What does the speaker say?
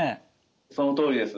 そのとおりです。